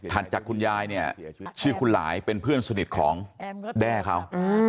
จากคุณยายเนี่ยชื่อคุณหลายเป็นเพื่อนสนิทของแด้เขา